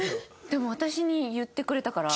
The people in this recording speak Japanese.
でも私に言ってくれたから。